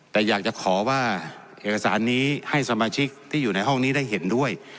แต่อยากจะขอว่าเอกสารนี้ให้สมาชิกที่อยู่ในห้องนี้ได้เห็นด้วย